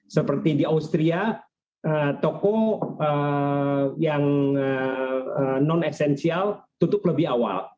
seperti di austria toko yang non esensial tutup lebih awal